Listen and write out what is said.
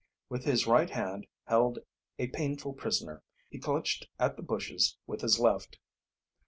With his right hand held a painful prisoner, he clutched at the bushes with his left.